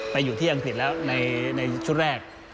ไปอยู่ที่อังกฤษแล้วในชุดแรก